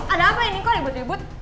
ada apa ini kok debet debet